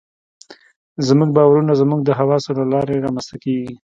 زموږ باورونه زموږ د حواسو له لارې رامنځته کېږي.